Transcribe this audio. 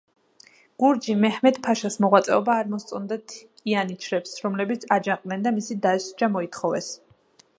გურჯი მეჰმედ-ფაშას მოღვაწეობა არ მოსწონდათ იანიჩრებს, რომლებიც აჯანყდნენ და მისი დასჯა მოითხოვეს.